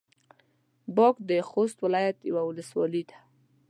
باک د خوست ولايت يوه ولسوالي ده.